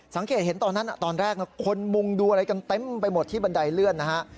สังเกตเห็นตอนนั้นตอนแรกคนมุงดูอะไรกันเต็มไปหมดที่บันไดเลื่อนนะฮะ